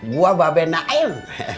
gua babe naim